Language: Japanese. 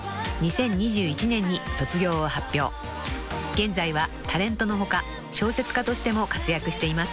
［現在はタレントの他小説家としても活躍しています］